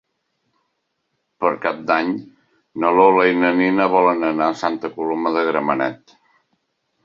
Per Cap d'Any na Lola i na Nina volen anar a Santa Coloma de Gramenet.